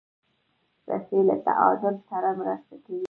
رسۍ له تعادل سره مرسته کوي.